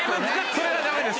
それはダメです。